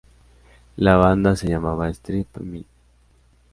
La banda se llamaba Strip Mind.